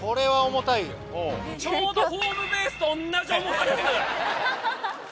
ちょうどホームベースと同じ重さです